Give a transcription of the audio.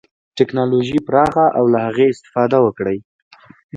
ټکنالوژي پراخه او له هغې استفاده وکړي.